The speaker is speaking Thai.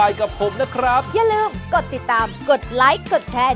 อย่าลืมกดติดตามกดไลค์กดแชร์